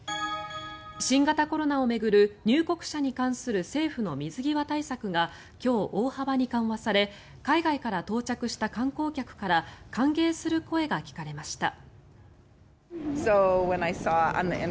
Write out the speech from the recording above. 新型コロナを巡る入国者に関する政府の水際対策が今日、大幅に緩和され海外から到着した観光客から歓迎する声が聞かれました。